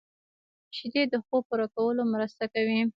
شیدې د خوب پوره کولو مرسته کوي